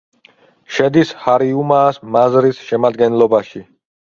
შედის ჰარიუმაას მაზრის შემადგენლობაში.